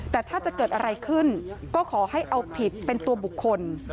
แต่ถ้าจะเกิดอะไรขึ้นก็ขอให้เอาผิดเป็นตัวบุคคล